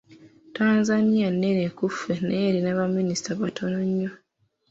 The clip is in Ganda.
Tanzania nnene ku ffe naye erina baminisita batono nnyo.